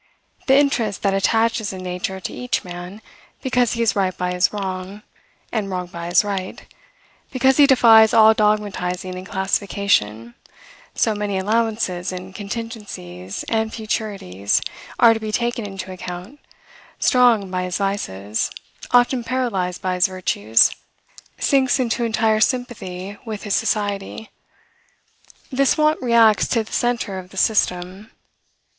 The interest that attaches in nature to each man, because he is right by his wrong, and wrong by his right, because he defies all dogmatizing and classification, so many allowances, and contingencies, and futurities, are to be taken into account, strong by his vices, often paralyzed by his virtues, sinks into entire sympathy with his society. This want reacts to the center of the system.